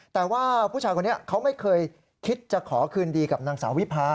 แต่ว่าผู้ชายคนนี้เขาไม่เคยคิดจะขอคืนดีกับนางสาววิพา